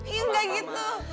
iya enggak gitu